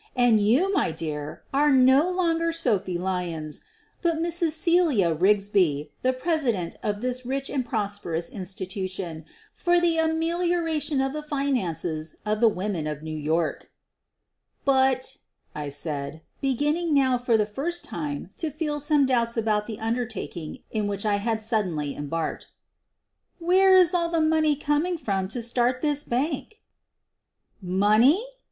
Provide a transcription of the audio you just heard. And you, my dear, are no longer Sophie Lyons, but Mrs. Celia Rigsby, the president of this rich and prosperous institution for the amelioration of the finances of the women of New York." "But," I said, beginning now for the first time to feel some doubts about the undertaking in which I had so suddenly embarked, "where is all the money coming from to start this bank?" "Money?"